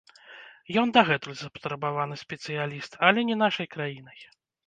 Ён дагэтуль запатрабаваны спецыяліст, але не нашай краінай.